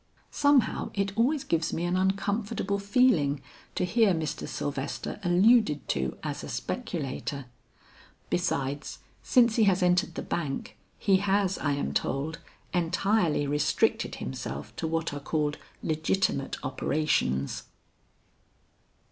Somehow it always gives me an uncomfortable feeling to hear Mr. Sylvester alluded to as a speculator. Besides since he has entered the Bank, he has I am told, entirely restricted himself to what are called legitimate operations."